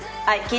はい。